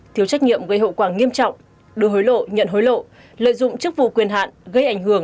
thiếu trách nhiệm gây hậu quả nghiêm trọng đưa hối lộ nhận hối lộ lợi dụng chức vụ quyền hạn gây ảnh hưởng